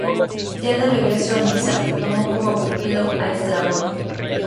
Ya de regreso a Nisa tomó como pupilo a Estrabón.